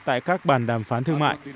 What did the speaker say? tại các bàn đàm phán thương mại